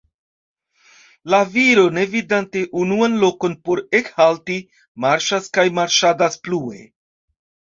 La viro, ne vidante unuan lokon por ekhalti, marŝas kaj marŝadas plue.